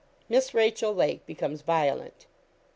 MISS RACHEL LAKE BECOMES VIOLENT.